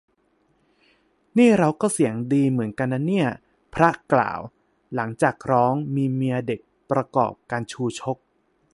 "นี่เราก็เสียงดีเหมือนกันนะเนี่ย" พระกล่าว หลังจากร้อง มีเมียเด็ก ประกอบกัณฑ์ชูชก